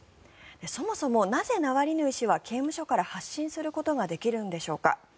そもそも、なぜナワリヌイ氏は刑務所から発信することができるんでしょうか。